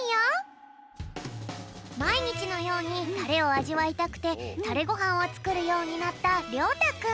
まいにちのようにタレをあじわいたくてタレごはんをつくるようになったりょうたくん。